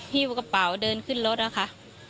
พี่กระเป๋าเดินขึ้นรถค่ะ